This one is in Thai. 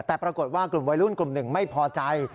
แต่ปรากฏว่ากลุ่มวัยรุ่นกลุ่มหนึ่งไม่พอใจ